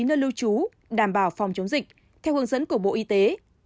nơi lưu trú đảm bảo phòng chống dịch theo hướng dẫn của bộ y tế